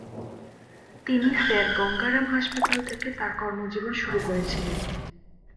তিনি স্যার গঙ্গা রাম হাসপাতাল থেকে তার কর্মজীবন শুরু করেছিলেন।